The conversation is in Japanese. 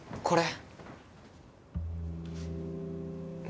これ。